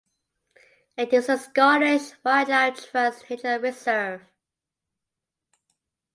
It is a Scottish Wildlife Trust nature reserve.